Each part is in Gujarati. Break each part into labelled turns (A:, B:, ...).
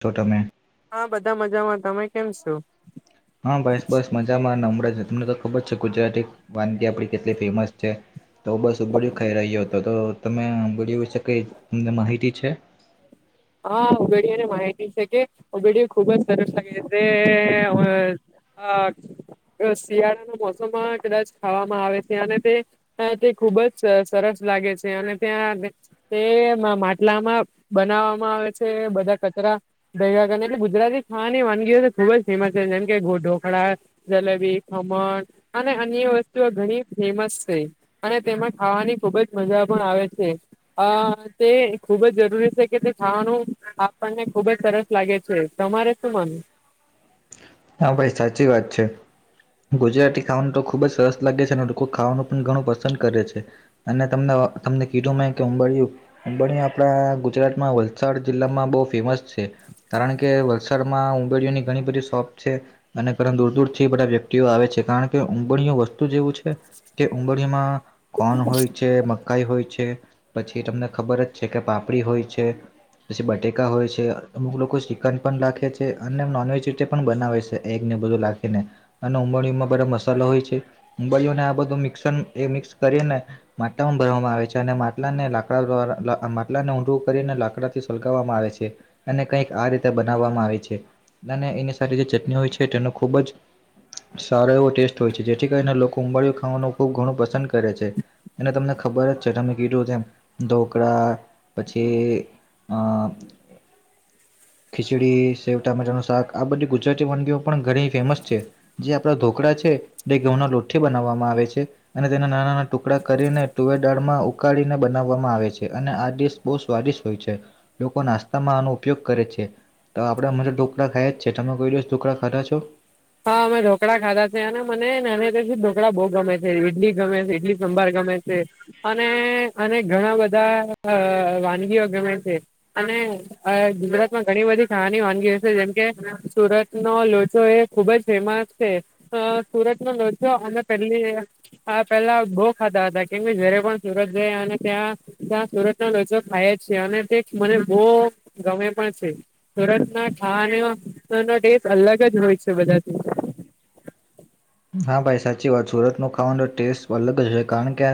A: તો તમેં.
B: હા બધા મજામાં તમે કેમ છો.
A: હા બસ બસ મજામાં ન. તમને ખબર છે ગુજરાતી વાનગી આપડી કેટલી ફેમસ છે. તો બસ બડ્યું ખાઈ રહ્યો હતો તો તમે ઉબળિયું વિશે કઈ તમને માહિતી છે.
B: ઓ વડયો ખુબ જ સરસ [inaudible] લાગે છે. અ શિયાળાના મોસમમાં કદાચ ખાવામાં આવે છે અને તે. ખુબ જ સરસ લાગે છે અને ત્યાં તે માટલામાં બના. આવે છે બધા કચ દયા એટલે ગુજરાતી ખાવાની વાનગીઓ ખુબ જ ફેમસ છે જેમ કેો. ઢોકળા જલેબી ખમણ અને અન્ય વસ્તુઓ ઘણી ફેમસ છે અને. તેમાં ખાવાની ખુબ જ મજા પણ આવે છે તે ખૂબ જ જરૂરી છે કે. ખાવાનું આપણને ખુબ જ સરસ લાગે છે તમારે શું મન.
A: હા ભાઈ સાચી વાત છે. ગુજરાતી ખાવાનું તો ખુબ જ સરસ લાગે છે અને લોકો ખાવાનું પણ ઘણું પસંદ કરે છે અને તમને. તમને કીધું મે કે ઉંબરિયું ઉંબડીયુ આપણા ગુજરાતમાં વલસાડ જિલ્લામાં બહુ ફેમસ. કારણ કે વલસાડમાં ઉબેડિયા ની ઘણી બધી શોપ. છે અને ઘર દૂર દૂરથી બધા વ્યક્તિઓ આવે છે કારણ કે ઉંબડીયુ વસ્તુ એવુ છે કે ઉંબડીમાં. કોણ હોય છે મ. મકાઈ હોય છે પછી તમને ખબર જ છે કે પાપડી હોય છે. પછી બટેકા હોય છે અમુક લોકો ચિકન પણ રાખે છે અને નોનવેજીટે પણ. બનાવે છે એને બધું લખીને અને ઉબાળિયું બધ મસાલો હોય છે ઉબાળિયું ને આ બધું મિક્સ. મિક્સ કરીને માટલામાં ભરવામાં આવે છે અને માટલા ને લાકડા દ્વારા માટલા ને ઊંડું. લાકડાથી સગાવવામાં આવે છે અને કઈક આ રીતે બનાવવામાં આવે છે અને. જે ચટણી હોય છે તેનો ખૂબ જ. સારો એવો ટેસ્ટ હોય છે જેથી કરીને લોકો ઉંબળયુ ખાવાનું ખુબ ઘણું પસંદ કરે છે અને તમને. ખબર જ છે તમે કીધું છે ઢોકળા પછી. અ ખીચડી સેવ ટામેટાનું શાક આ બધું. ગુજરાતી વાનગીઓ પણ ઘણી ફેમસ છે જે આપણા ઢોકળા છે એ ઘઉંના લોઠ બનાવવામાં આવે છે. અને તેના નાના નાના ટુકડા કરીને તુવે દાળમાં ઉકાળીને બનાવવામાં આવે છે અને આ. [inaudible] સ્વાદિષ્ટ હોય છે લોકો નાસ્તામાં આનો ઉપયોગ કરે છે તો આપણે મજા ઢોકળા ખાઈએ છે. કે તમે કોઈ દિવસ ટુકડા ખારાા છો.
B: હા અમે ઢોકળા ખાધા છે અને મને નાની તે ઢોકળા બહુ ગમે છે ઇડલી ગમે છે ઇડલી સંભાર ગમે. ગમે છે અને અને ઘણા બધા વાનગીઓ ગમે છે અને. ગુજરાતમાં ઘણી બધી કહાની વાનગી હશે જેમકે સુરત ન લોચો એ. ખુબ જ ફેમસ છે સુરત ન લો અમે પેલી પેલા ગો ખા. હતા કેમ જયારે પણ સુરત જયા અને ત્યાં ત્યાં સુરત ના લોચ ખાય જ છે અને તે મને. બ ગમે પણ છે સુરત ના થા નો દેશ અલગ જ હોય છે. બજાતી.
A: હા ભાઈ સાચી વાત સુરત ન ખાવાનો ટેસ્ટ અલગ જ છે કારણ કે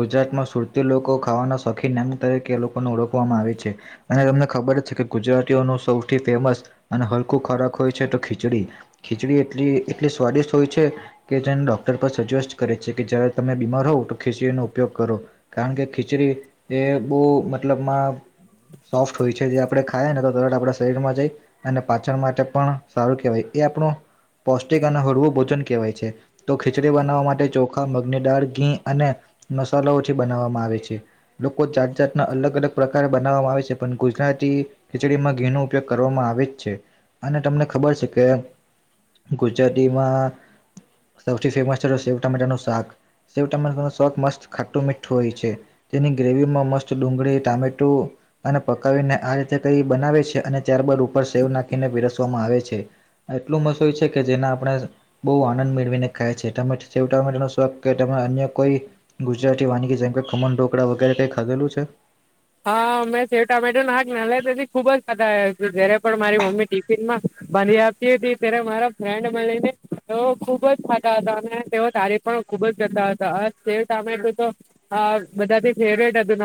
A: ગુજરાતમાં સુરતી લોકો ખાવાનું. ના સખી નામ તરીકે લોકોને ઓળખવામાં આવે છે અને તમને ખબર છે કે ગુજરાતીઓનું સૌથી ફેમસ. ત અને હલકું ખોરાક હોય છે તો ખીચડી ખીચડી એટલી એટલી સ્વાદિષ્ટ હોય છે. કે જેને ડોક્ટર પર સજેસ્ટ કરે છે કે જ્યારે તમે બીમાર હોવ તો ખીચડી નનો ઉપયોગ કરો કારણ કે ખીચ. ચરી એ બહ મતલબમાં. સોફ્ટ હોય છે જે આપણે ખાય ને તો તર આપડા શરીરમાં જઈ અને પાચન માટે પણ સારું કહેવાય એ આપણું પૌષ્ટિક અને હળવું ભોજન કેવાય છે તો ખીચડી બનાવવા માટે ચોખા મગની દાળ ઘી અને મસાલા ઓ થી બનાવવામાં આવે છે લોકો જાત જાતના અલગ અલગ પ્રકાર બનાવવામાં આવે છે પણ ગુજરાતી ખીચડીમાં ઘી નો ઉપયોગ ક કરવામાં આવે છે અને તમને ખબર છે કે ગુજરાતીમાં
B: [inaudible]
A: સૌથી ફેમસ છે સેવ ટામેટા નું શાક સેવ ટામેટા નું શાક મસ્ત ખાટું મીઠું હોય છે તેની ગ્રેવીમાં મસ્ત ડુંગળી ટામેટું અને પકાવીને આ રીતે કઈ બનાવે છે અને ત્યારબાદ ઉપર સેવ નાખીને પીરસવામાં આવે છે એટલું મસ્ત હોય છે કે જેના આપણે બો આ આનંદ મેળવીને [unintelligible] છે [unintelligible] અન્ય કોઈ ગુજરાતી વાનગી જેમ ખમન ઢોકળા વગેરે કઈ ખાધેલું છે
B: હા મેં સેવ ટામેટો [inaudible] જય્યારે પણ મારી મમ્મી ટિફિન માં બંધી આપતી હતી ત્યારે મારા ફ્રેન્ડ [unintelligible] ખુબ જ ખાતા હતા અને તેઓ [inaudible] પણ ખુબજ [unintelligible] તો આ બધાથી ફેવટ હતું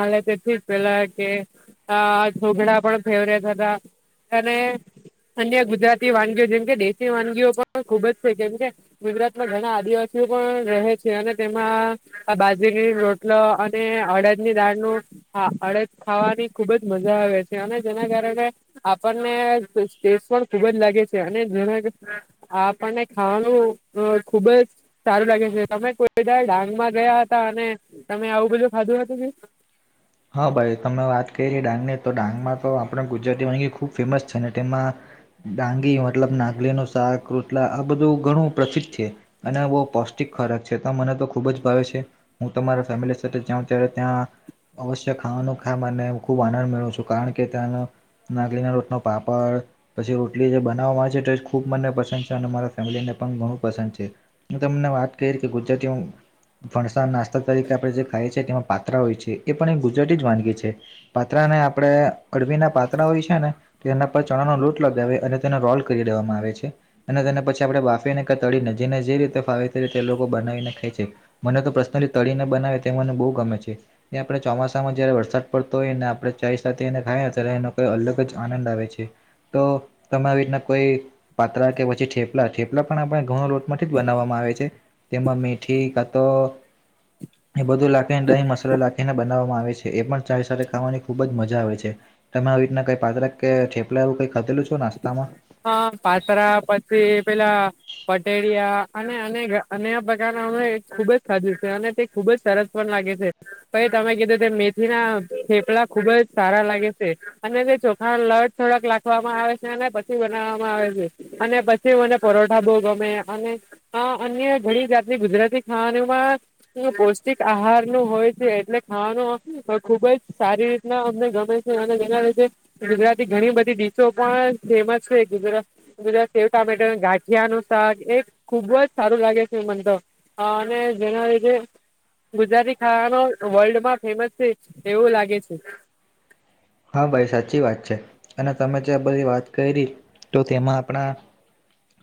B: [inaudible] પેલા કે આ છોકરા પણ ફેવરેટ હતા, અને અન્ય ગુજરાતી વાનગીઓ જેમ કે, દેશી વાનગીઓ પણ ખુબ જ છે. કેમ કે, ગુજરાતમાં ઘણા આદિવા સીઓ પણ રહે છે. અને તેમાં આ બાજરીની રોટલો અને અડદની દાળનું હા અડદ ખાવાની ખુબ જ મજા આવે છે. અને જેના કારણે આપણને પણ ખુબ જ લાગે છે અને ઘણા આપણને ખાવાનું ખુબ જ સારું તમે કોઈ ડાંગમાં ગયા હતા અને તમે આવું બધું ખાધું હતું કે
A: હા ભાઈ તમે વાત કરી ડાંગ ની તો ડાંગમાં તો આપણે ગુજરાતી વાનગી ખૂબ ફેમસ છે ને તેમાં ડાંગી મતલબ નાગલી નું શાક રોટલા આ બધું ઘણું પ્રસિદ્ધ છે અને બો પૌષ્ટિક ખોરાક છે તો મને તો ખુબ જ ભાવે છે હું તો મારા ફેમિલી સાથે જાઉ ત્યારે ત્યાં અવશ્ય ખાવાનુ ખામ અને ખૂબ આનંદ મેળવું છું કારણ કે ત્યાંનો નાગલીના લોટ નો પાપડ પછી રોટલી જે [unintelligible] આવે છે તે ખુબ મને પસંદ છે અને મારા ફેમિલીને પણ ઘણું પસંદ છે હમ્મ ને વાત કરી કે ગુજરાતી ફણસા નાસ્તા તરીકે આપણે જે ખાઈએ છે તેમાં પાત્રા હોય છે એ પણ એક ગુજરાતી જ વાનગી છે પાત્રા ને આપણે [unintelligible] પાત્રા હોય છે ને તો એના પર ચણા લોટ લગાવે અને તેનો રોલ કરી દેવામાં આવે છે અને તેને પછી આપણે બાફીને કે તળી ને જેને જે રીતે ફાવે તે લોકો બનાવીને ખાય છે મને તો પર્સનલી તળીને બનાવે તે મને બો ગમે છે એ આપણે ચોમાસામાં જયારે વરસાદ પડતો હોય ને આપણે ચાય સાથે એને ખાયએ ત્યારે એનો કઈ અલગ જ આનંદ આવે છે તો તમે આવી રીતના કોઈ પાત્રા કે પછી થઠેપલા થેપલા પણ આપણે ઘવનો લોટ માંથી જ બનાવવામાં આવે છે તેમાં મીઠ કતો એ બધું લાખે ને દહીં મસાલા લાખે એને બનાવવામાં આવે છે. એ પણ ચાય સાથે ખાવાની ખૂબ જ મજા આવે છે. તમે આવી રીતના કઈક પાત્રા કે‌ થેપલા કઈ આવું ખાધેલુ છો, નાસ્તામાં
B: અ પાથરા પછી પેલા પટેળિયા અને અને ખુબ ખાધું છે. અને તે ખુબ જ સરસ પણ લાગે છે, પહી તમે કીધું તેમ મેથી ના થેપલા ખુબ જ સારા લાગે છે. અને જે ચોખા લડ થડક લખવામાં આવે છે, અને બનાવામાં આવે છે, અને પછી મને પરોઠા બો ગમે અને અન્ય ઘણી જાત ની ગુજરાતી, ખાવાનુંમાં પૌષ્ટિક આહાર નુ હોય. તે એટલે ખાવાનું ખૂબ સારી રીતના અમને ગમે છે. [inaudible] ગુજરાતી ઘણી બધી ટીશો પણ ફેમસ છે, ગુજરાત ગુજરાત સેવ ટામેટા ગાઠિયા નું શાક એ ખુબજ સારું લાગે છે મનેતો અને જેના લીધે ગુજરાતી ખાવાનો વર્લ્ડમાં ફેમસ છે. એવું લાગે છે
A: હા, ભાઈ સાચી વાત છે. અને તમે જે બધી વાત કયરી તો તેમાં આપણા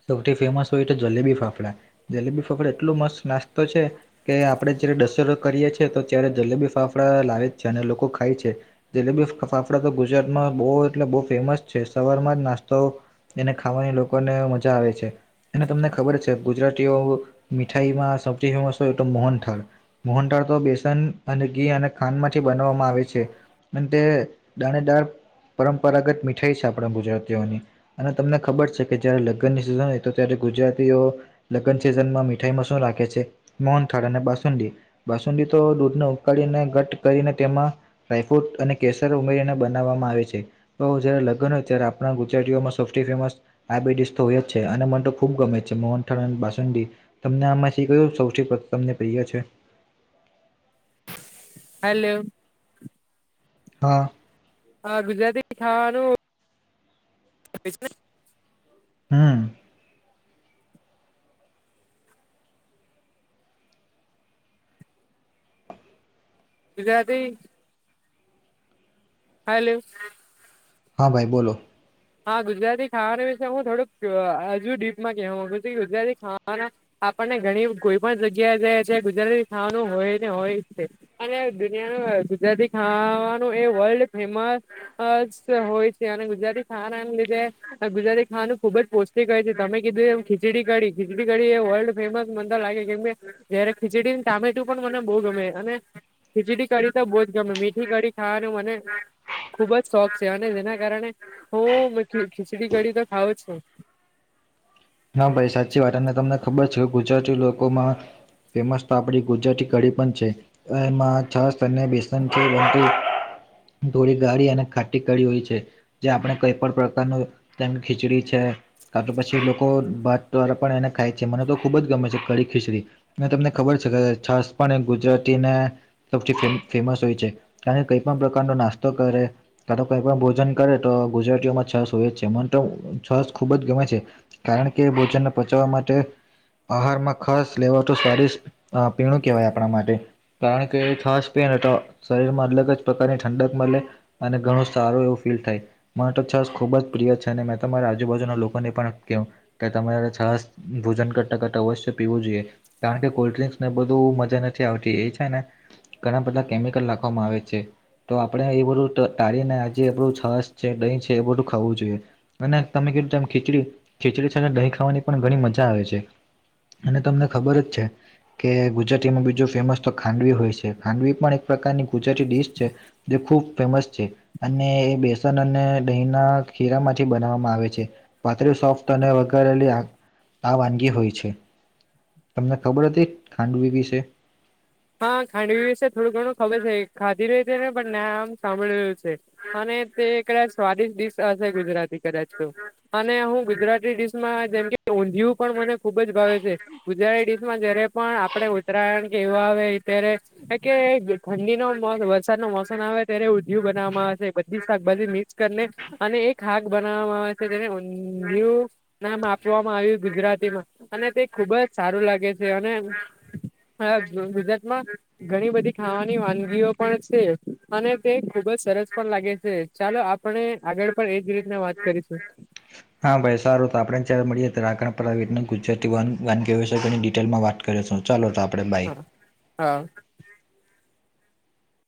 A: સૌથી ફેમસ હોય, તો જલેબી ફાફડા જલેબી ફાફડા એટલો મસ્ત નાસ્તો છે. કે આપણ આપ જયારે [unintelligible] કરીએ છીએ, તો ત્યારે જલેબી ફાફડા લાવે છે. અને લોકો ખાય છે જલેબી ફા ફાફડા તો ગુજરાતમાં બો એટલે બો ફેમસ છે. સવારમાં જ નાસ્તો એને ખાવાની લોકોને મજા આવે છે અને તમને ખબર છે. ગુજરાતીઓ મીઠાઈમાં સૌથી ફેમસ હોય, તો મોહનથાળ મોહનથાળ બેસન અને ઘી અને ખાંડમાંથી બનાવવામાં આવે છે. અને તે દાણેદાર પરંપરાગત મીઠાઈ છે. આપણા ગુજરાતીઓની અને તમને ખબર છે, કે જયારે લગ્નની સિઝન હોય, તો ત્યારે ગુજરાતીઓ લગ્ન સિઝનમાં મીઠાઈ મસ રાખે છે. મોનથાળ અને બાસુંડી-બાસુંડી દૂધને, ઉળને ઘટ કરીને તેમાં ડાયફ્રૂટ અને કે ઉમેરીને બનાવવામાં આવે છે. તો જય્યારે લગ્ન હોય, ત્યારે આપણા ગુજરાતીઓમાં સફથી ફેમસ આબીડી છે. અને મ તો ખુબ ગમે છે, મોન બાસ તમને આમાંથી ક સૌથી તમ એિયા છે.
B: હલો
A: હા
B: હા, ગુજરાતી ખાવાનુંને
A: હમ
B: વિુજરાથી [unintelligible] હલો.
A: હા ભાઈ બોલો.
B: હા ગુજરાતી ખાવાનું વિશે હું થોડુંક હજુ ડીપમાં કેવા માગું છું. ગુજરાતી ખાવાના આપણને ઘણી કોઈ પણ જગ્યા જઈએ છે ગુજરાતી ખાવાનું હોય ને હોય છે અને દુનિયાનું ગુજરાતી ખાવાનું એ વર્લ્ડ ફેમસ હોય છે અને ગુજરાતી ખાવાના લીધે ગુજરાતી ખાવાનું ખુબ જ પૌષ્ટિક હોય, છે. તમે કીધું એ ખીચડી કડીી ખીચડી કડી વર્લ્ડ ફેમસ મંદર લાગે, કેમ જયારે ખીચડી ટામેટું પણ મને બહુ ગમે અને ખીચડી કી તો બહુજ ગમે મીઠી કી ખાવાનું મને ખુબ જ શોખ છે. અને જેના કારણે હ, ખીચડી કડી તો ખાવ છો
A: હા, ભાઈ સાચી વાત અને તમને ખબર છે. ગુજરાતી લોકોમા ફેમસ આપડી ગુજરાતી કડીી પણ છે, એમાં છ બેસ છે. ધોળી ગાળી અને ખાટી કાઢી હોય છે. જે આપણે કઈ પણ પ્રકારનું તેમ ખીચડી છે. કાુ, પછી લોકો આ ભાત દ્વારાા પણ એને ખાય છે. મને તો ખૂબ જ ગમે છે. કડીી ખીચડી અને તમને ખબર છે, છાસ પણ ગુજરાતીને સૌથી ફેમસ હોય છે. કારણ કઈ પણ પ્રકારનો, નાસ્તો કરે કો કઈ પણ ભોજન કરે, તો ગુજરાતીઓમાં છસ, હોય જ છેમ, તો છસ ખુબ જ ગમે છે કારણ, કે ભોજનને પચાવવા માટે આહારમાં ખાસ લેવા તો સ્વાદિષ્ટ પીણુ કેહેવાય, આપણા માટે કારણ કે ખાસ પ શરીરમાં અલગ જ પ્રકારની ઠંડક મળે અને ઘણું, સારુ એવુ ફીલ થાય મ તો છ. ખુબ જ પ્રિય છે. અને મેં તમારા આજુબાજુના લોકોને પણ કેમ કે તમારે સરસ ભોજન કરતા કરટ અવશ્ય પીવુ જોઈએ, કારણ કે કોલ્ડ્રિંક્સને બધુ મજા નથી આવતી એ છેને, ઘણા બધા કેમિકલ રાખવામાં આવે છે. તો આપણેે એ બધું તાળીને આજેું છાસ છે, દહીં છે, એ બધું ખાવું જોઈએ અને તમે ખીચડી ખીચડી સાથે દહીં ખાવાની પણ ઘણી મજા આવે છે. અને તમને ખબર જ છે. કે ગુજરાતીમાં બીજું ફેમસ તો ખાંડવી હોય છે ખાંડવી પણ એક પ્રકારની ગુજરાતી ડિશ છે. જે- ખૂબ ફેમસ છે અને એ બેસન અને દહીંના ખીરા માંથી બનાવવામાં આવે છે. પાતળી સોફ્ટ અને વઘારેલી આ વાનગી હોય છે. તમને ખબર હતી ખાંડવી વિશે?
B: હા ખાંડવી વિશે થોડું ઘણું ખબર છે. ખાધી રહી છે ને પણ ના આમ સાંભળી રહ્યું છે અને તે કદાચ સ્વાદિ્ ડીશ હશે ગુજરાતી કદાચ તો અને હું ગુજરાતી ડિશમાં જેમ ઊંધિયું પણ મને ખુબ જ ભાવે છે ગુજરાતી ડીશમાં જયારે પણ આપણે ઉત્તરાયણ કે એવા ત્યારે કે ઠંડી નો વરસાદ નો મોસમ આવે ત્યારે ઊંધિયું બનાવામાં આવે છે બધી શાકભાજી મિક્સ કરીને અને એક શાક બનાવવામાં આવે છે જેને ઊંધિયું નામ આપ આગુજરાતીમાં અને તે ખુબ જ સારું લાગે છે અને ગુજરાત માં ઘણી બધી ખાવાની વાનગીઓ પણ છે અને તે ખુબ જ સરસ પણ લાગે છે ચાલો આપણે આગળ પણ એજ રીતના વાત કરીશું.
A: હા ભાઈ સારું તો આપણે જ્યારે મળીએ ત્યારે રાખણ ગુજરાતી વાનગી વાનગીયોસાયની ડિટેલમાં વાત કરી [unintelligible] ચાલો તો આપડે બાય.
B: હા હા.